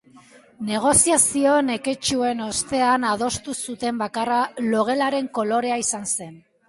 Negoziazio neketsuen ostean adostu zuten bakarra logelaren kolorea izan zen.